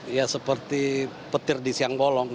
ya seperti petir di siang bolong